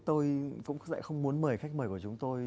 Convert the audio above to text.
tôi cũng lại không muốn mời khách mời của chúng tôi